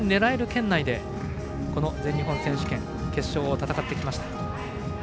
圏内でこの全日本選手権決勝を戦ってきました。